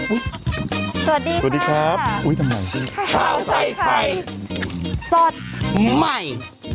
สวัสดีค่ะสวัสดีครับอุ้ยทำไมข้าวใส่ไข่สดใหม่